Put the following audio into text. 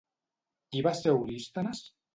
Qui va ser Eurístenes?